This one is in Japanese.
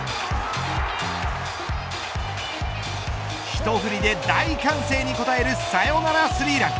ひと振りで大歓声に応えるサヨナラスリーラン。